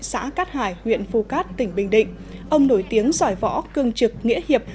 xã cát hải huyện phu cát tỉnh bình định ông nổi tiếng giỏi võ cương trực nghĩa hiệp